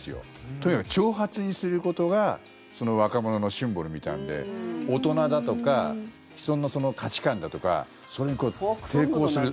とにかく長髪にすることが若者のシンボルみたいなので大人だとか既存の価値観だとかそれに抵抗する。